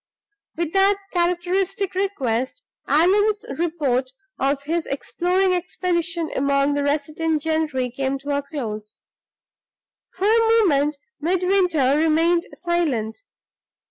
With that characteristic request, Allan's report of his exploring expedition among the resident gentry came to a close. For a moment Midwinter remained silent.